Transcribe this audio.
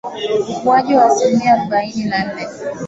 Ukuaji wa asilimia arubaini na nne